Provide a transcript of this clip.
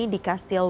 di kastil winslow